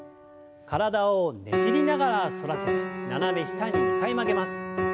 体をねじりながら反らせて斜め下に２回曲げます。